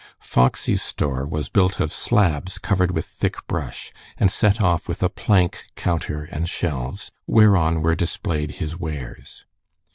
Foxy's store was built of slabs covered with thick brush, and set off with a plank counter and shelves, whereon were displayed his wares.